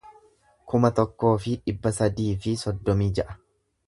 kuma tokkoo fi dhibba sadii fi soddomii ja'a